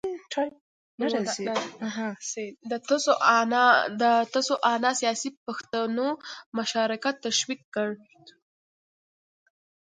د تسوانا سیاسي بنسټونو مشارکت تشویق کړ.